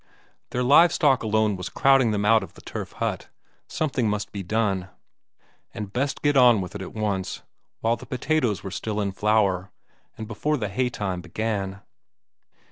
their live stock alone was crowding them out of the turf hut; something must be done. And best get on with it at once, while the potatoes were still in flower, and before the haytime began.